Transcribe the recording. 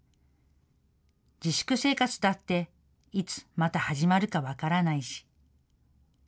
自粛生活だって、いつまた始まるか分からないし。